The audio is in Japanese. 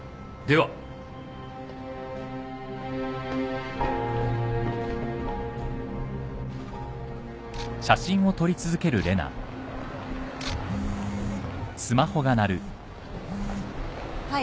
はい。